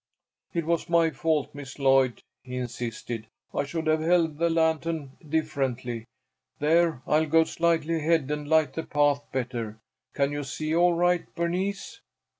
"It was my fault, Miss Lloyd," he insisted. "I should have held the lantern differently. There, I'll go slightly ahead and light the path better. Can you see all right, Bernice?"